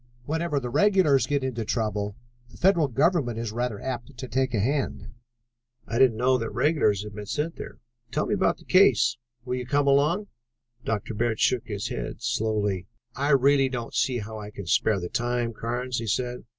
Whenever the regulars get into trouble, the federal government is rather apt to take a hand." "I didn't know that regulars had been sent there. Tell me about the case." "Will you come along?" Dr. Bird shook his head slowly. "I really don't see how I can spare the time, Carnes," he said.